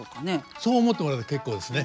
そう思ってもらえば結構ですね。